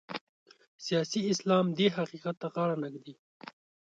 سیاسي اسلام دې حقیقت ته غاړه نه ږدي.